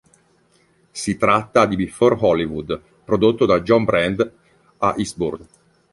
Si tratta di "Before Hollywood", prodotto da John Brand a Eastbourne.